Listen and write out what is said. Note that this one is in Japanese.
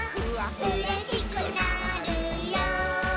「うれしくなるよ」